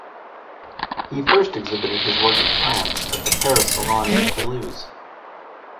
He first exhibited his work in France at the Paris Salon and in Toulouse.